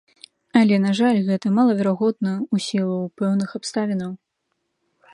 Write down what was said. Але, на жаль, гэта малаверагодна ў сілу пэўных абставінаў.